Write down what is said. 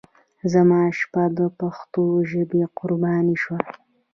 زما شپه د پښتو ژبې قرباني شوه.